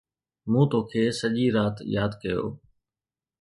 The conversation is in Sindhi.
مون توکي سڄي رات ياد ڪيو